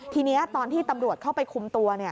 ทีนี้ตอนที่ตำรวจเข้าไปคุมตัว